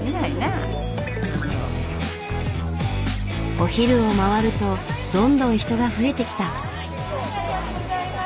お昼を回るとどんどん人が増えてきた。